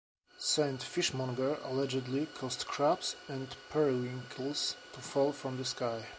Saint Fishmonger allegedly caused crabs and periwinkles to fall from the sky.